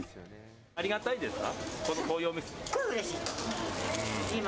ありがたいですか？